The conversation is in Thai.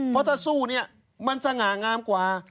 เพราะถ้าสู้เนี่ยมันสง่างามกว่า